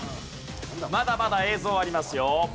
まだまだ映像ありますよ。